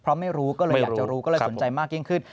เพราะไม่รู้ก็เลยอยากจะรู้ก็เลยสนใจมากยิ่งขึ้น